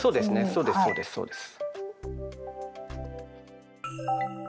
そうですそうですそうです。